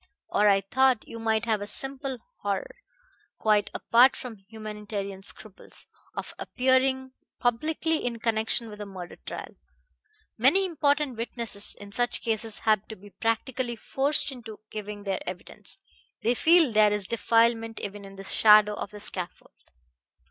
Or I thought you might have a simple horror, quite apart from humanitarian scruples, of appearing publicly in connection with a murder trial. Many important witnesses in such cases have to be practically forced into giving their evidence. They feel there is defilement even in the shadow of the scaffold."